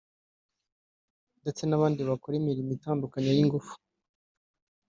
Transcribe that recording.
ndetse n’abandi bakora imirimo itandukanye y’ ingufu